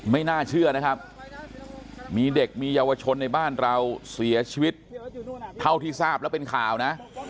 ไม่น่าเชื่อนะครับมีเด็กมีเยาวชนในบ้านเราเสียชีวิตเท่าที่ทราบแล้วเป็นข่าวนะ